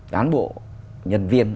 đán bộ nhân viên